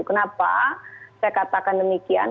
kenapa saya katakan demikian